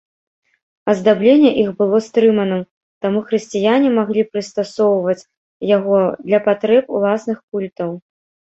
Аздабленне іх было стрыманым, таму хрысціяне маглі прыстасоўваць яго для патрэб уласных культаў.